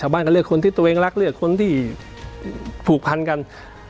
บ้านก็เลือกคนที่ตัวเองรักเลือกคนที่ผูกพันกัน